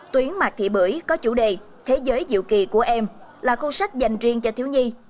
tuyến mạc thị bưởi có chủ đề thế giới diệu kỳ của em là khu sách dành riêng cho thiếu nhi